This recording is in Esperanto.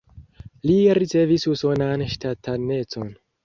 Li ricevis usonan ŝtatanecon.